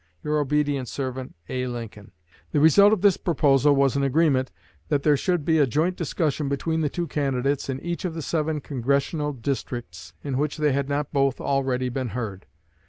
Your obedient servant, A. LINCOLN. The result of this proposal was an agreement that there should be a joint discussion between the two candidates in each of the seven Congressional districts in which they had not both already been heard.